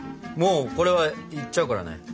もうこれはいっちゃうからね。